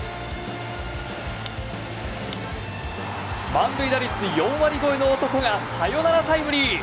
満塁打率４割超えの男がサヨナラタイムリー。